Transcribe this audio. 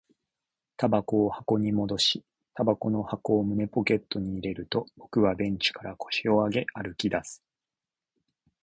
煙草を箱に戻し、煙草の箱を胸ポケットに入れると、僕はベンチから腰を上げ、歩き出す